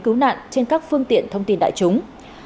cứu nạn trên các phương tiện thông tin đại chúng